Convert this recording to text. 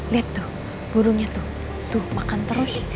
liat tuh burungnya tuh makan terus